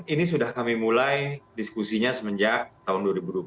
ini sudah kami mulai diskusinya semenjak tahun dua ribu dua puluh